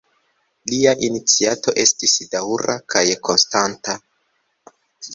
Lia iniciato estis daŭra kaj konstanta.